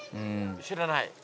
知らない？